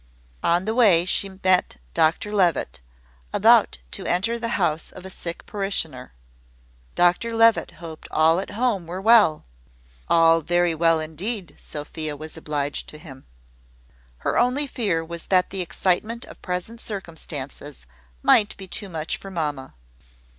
On the way she met Dr Levitt, about to enter the house of a sick parishioner. Dr Levitt hoped all at home were well. All very well, indeed, Sophia was obliged to him. Her only fear was that the excitement of present circumstances might be too much for mamma.